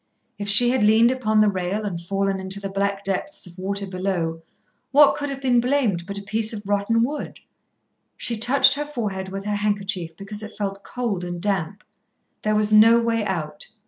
If she had leaned upon the rail and fallen into the black depths of water below, what could have been blamed but a piece of rotten wood. She touched her forehead with her handkerchief because it felt cold and damp. There was no way out.